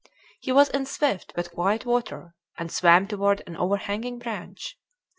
He was in swift but quiet water, and swam toward an overhanging branch.